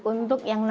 untuk yang namanya